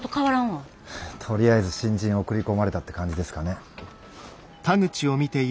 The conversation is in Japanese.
とりあえず新人送り込まれたって感じですかね。